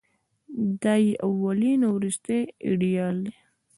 دای یې اولین او وروستۍ ایډیال دی.